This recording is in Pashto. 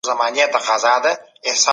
تاسو به په خپله ټولنه کي یو مثبت رول لوبوئ.